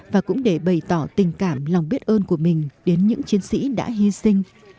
và cũng để bày tỏ tình cảm lòng biết ơn của mình đến những chiến sĩ đã hy sinh